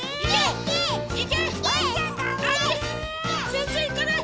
ぜんぜんいかない！